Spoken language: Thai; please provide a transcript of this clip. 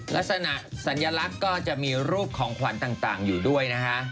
ลักษณะสัญลักษณ์ก็จะมีรูปของขวัญต่างอยู่ด้วยนะฮะ